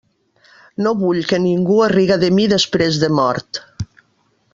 No vull que ningú es riga de mi després de mort.